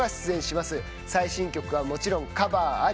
最新曲はもちろんカバーあり。